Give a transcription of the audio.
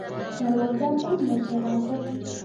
دروازه بنده که راځه.